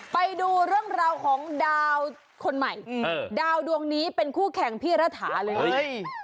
ไปดูเรื่องราวของดาวคนใหม่ดาวดวงนี้เป็นคู่แข่งพี่รัฐาเลย